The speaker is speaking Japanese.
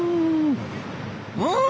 うん。